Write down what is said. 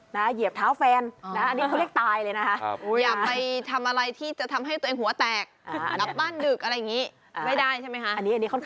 เหยียบเท้าแฟน